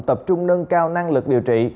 tập trung nâng cao năng lực điều trị